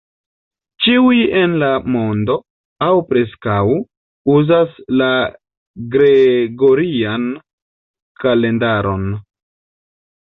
Ĉiuj en la mondo, aŭ preskaŭ, uzas la gregorian kalendaron.